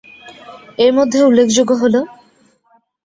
এর মধ্যে উল্লেখযোগ্য হল।